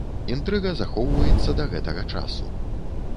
Інтрыга захоўваецца да гэтага часу.